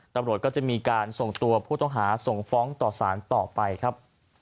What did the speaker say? ตำรวจก็จะมีการส่งตัวผู้ต้องหาส่งฟ้องต่อสารต่อไปครับ